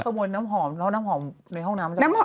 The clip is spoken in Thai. ขโมยน้ำหอมแล้วน้ำหอมในห้องน้ำมันจะมา